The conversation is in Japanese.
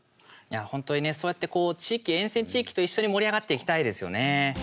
本当にね、そうやって地域沿線、地域と一緒に盛り上がっていきたいですよね。